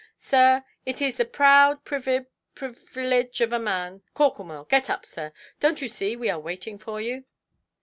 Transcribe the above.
Sir, it is the proud privi—prilivege of a man——Corklemore, get up, sir; donʼt you see we are waiting for you"?